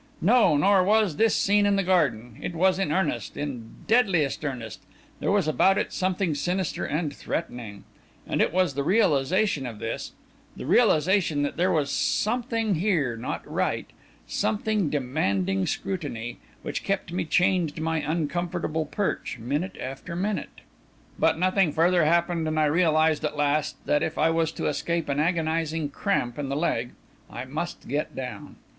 No, nor was this scene in the garden. It was in earnest in deadliest earnest; there was about it something sinister and threatening; and it was the realisation of this the realisation that there was something here not right, something demanding scrutiny which kept me chained to my uncomfortable perch, minute after minute. But nothing further happened, and I realised, at last, that if I was to escape an agonising cramp in the leg, I must get down.